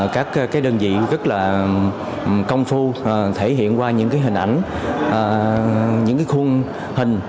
các đơn vị rất là công phu thể hiện qua những cái hình ảnh những cái khuôn hình